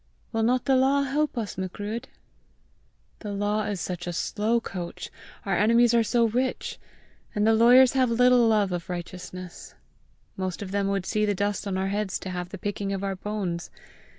"Will the law not help us, Macruadh?" "The law is such a slow coach! our enemies are so rich! and the lawyers have little love of righteousness! Most of them would see the dust on our heads to have the picking of our bones!